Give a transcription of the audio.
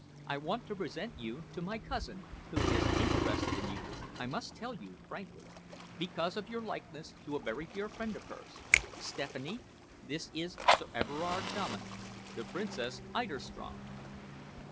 I want to present you to my cousin, who is interested in you, I must tell you frankly, because of your likeness to a very dear friend of hers. Stephanie, this is Sir Everard Dominey the Princess Eiderstrom."